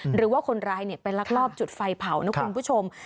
หรือว่าคนร้ายไปลักลอบจุดไฟเผานะคุณผู้ชม